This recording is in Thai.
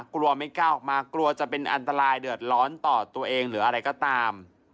กลัวไม่กล้าออกมากลัวจะเป็นอันตรายเดือดร้อนต่อตัวเองหรืออะไรก็ตาม